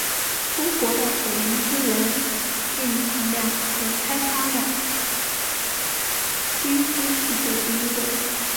中国的水能资源蕴藏量和可开发量均居世界第一位。